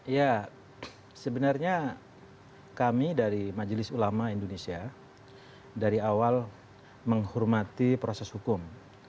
ya sebenarnya kami dari majelis ulama indonesia dari awal menghormati proses hukum